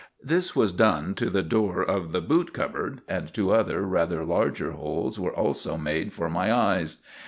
This was done to the door of the boot cupboard, and two other rather larger holes were also made for my eyes.